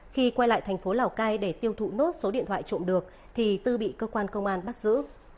khi quay lại thành phố lào cai để tiêu thụ nốt số điện thoại trộm được thì tư bị cơ quan công an bắt giữ